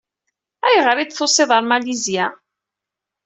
Ayɣer i d-tusiḍ ɣer Malizya?